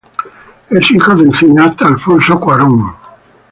Es hijo del cineasta Alfonso Cuarón.